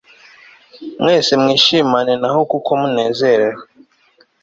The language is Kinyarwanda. mwese mwishimane na ho kuko munezerewe